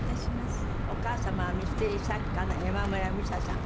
お母様はミステリー作家の山村美紗さん。